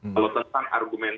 kalau tentang argumen